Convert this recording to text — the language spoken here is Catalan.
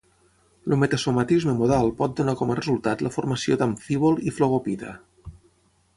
El metasomatisme modal pot donar com a resultat la formació d'amfíbol i flogopita.